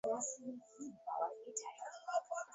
তিনি সনাতনবাদী ক্যাথলিক মূল্যবোধ প্রচার করেছিলেন।